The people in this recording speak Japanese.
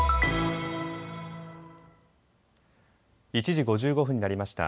１時５５分になりました。